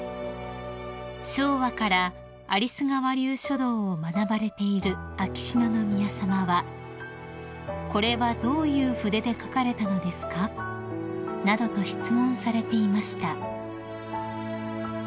［昭和から有栖川流書道を学ばれている秋篠宮さまは「これはどういう筆で書かれたのですか？」などと質問されていました］